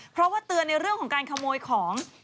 เพราะว่าเตือนในเรื่องของการขโมยของ